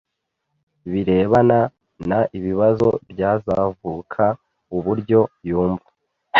birebana n ibibazo byazavuka uburyo yumva